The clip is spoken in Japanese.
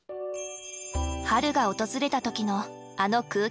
春が訪れた時のあの空気感。